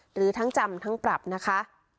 หรือทั้งจำทั้งปรับนะคะ